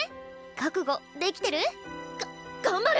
覚悟できてる？が頑張る！